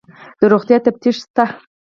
د روغتیا تفتیش شته؟